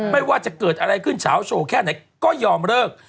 ไม่ว่าจะเกิดอะไรขึ้นเฉาโชว์แค่ไหนก็ยอมเลิก